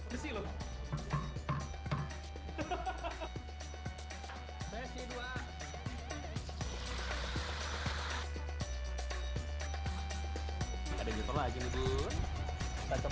hai bersih loh hahaha besi dua